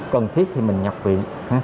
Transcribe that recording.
cần thiết thì mình nhập viện